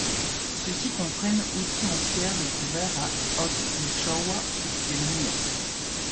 Ceux-ci comprennent outils en pierre découverts à Odrzechowa et Pielnia.